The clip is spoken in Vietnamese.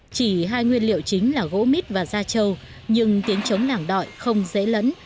chỉ hai nguyên liệu chính là gỗ mít và da trâu nhưng tiếng chống nàng đọi không dễ lẫn